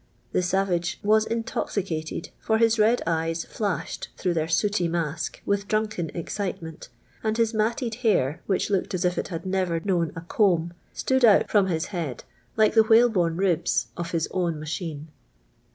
The sav.ig wa^ into.vicattrd, for his red eyfs H'»*hed through his sooty mask with dnniken e\cit'fm''nt, and his matted hair, which looked as if it h:id never known a comb, stood out friim Ills head like tlie whnlebnne ribs of his own maiiiine.